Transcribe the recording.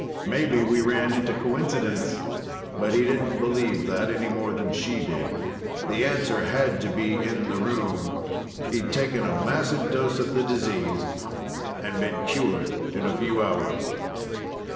Maybe we ran into coincidence." But he didn't believe that, any more than she did. The answer had to be in the room. He'd taken a massive dose of the disease and been cured in a few hours.